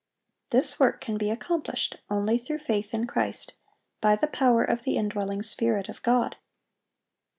This work can be accomplished only through faith in Christ, by the power of the indwelling Spirit of God.